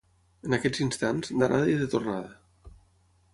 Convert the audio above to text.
En aquests instants, d'anada i de tornada.